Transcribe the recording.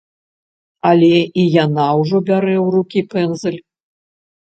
Але і яна ўжо бярэ ў рукі пэндзаль.